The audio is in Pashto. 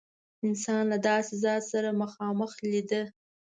انسان له داسې ذات سره مخامخ لیده.